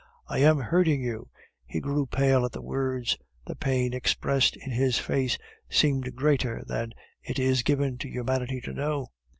"I am hurting you!" He grew pale at the words. The pain expressed in his face seemed greater than it is given to humanity to know.